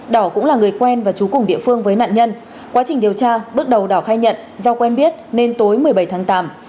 đỏ cũng là người quen và trú cùng địa phương với nạn nhân quá trình điều tra bước đầu đỏ khai nhận do quen biết nên tối một mươi bảy tháng tám